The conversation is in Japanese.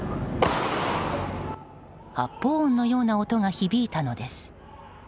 発砲音のような音が響いたのです。